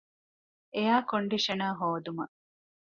އެއަރ ކޮންޑިޝަނަރ ހޯދުމަށް